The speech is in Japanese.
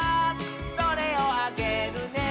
「それをあげるね」